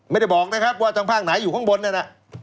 ไม่ได้บอกนะครับว่าทางภาคไหนอยู่ข้างบนนั่นน่ะ